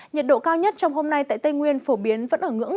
nhiệt độ cao nhất trong hôm nay tại tây nguyên phổ biến vẫn ở ngưỡng